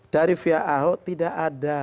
dari pihak ahok tidak ada